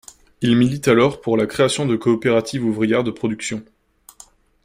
Il milite alors pour la création de coopératives ouvrières de production.